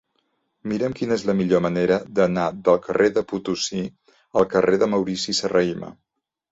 Mira'm quina és la millor manera d'anar del carrer de Potosí al carrer de Maurici Serrahima.